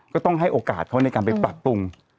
ก็ต้องให้โอกาสเขาในการไปปรับปรุง